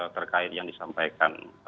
terkait yang disampaikan